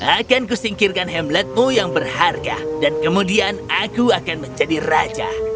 akanku singkirkan hamletmu yang berharga dan kemudian aku akan menjadi raja